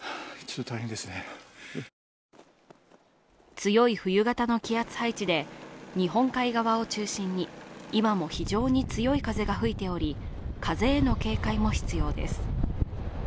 強い冬型の気圧配置で日本海側を中心に今も非常に強い風が吹いており、風への警戒も必要です。